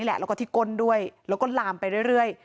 นี่แหละเราก็ที่ก้นด้วยเราก็ลามไปเรื่อย